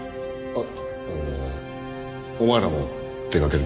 あっ？